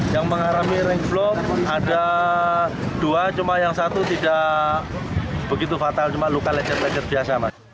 yang mengalami remblong ada dua cuma yang satu tidak begitu fatal cuma luka lecer lecer biasa